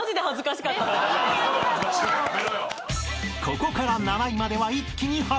［ここから７位までは一気に発表］